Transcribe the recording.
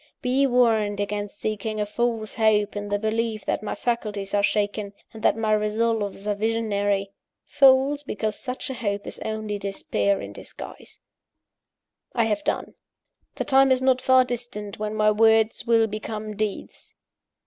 Be warned against seeking a false hope in the belief that my faculties are shaken, and that my resolves are visionary false, because such a hope is only despair in disguise. "I have done. The time is not far distant when my words will become deeds.